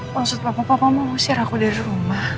maksud papa papa mau usir aku dari rumah